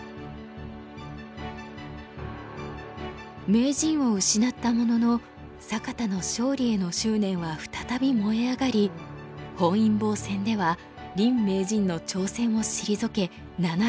名人を失ったものの坂田の勝利への執念は再び燃え上がり本因坊戦では林名人の挑戦を退け７連覇を達成。